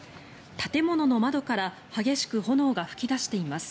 建物の窓から激しく炎が噴き出しています。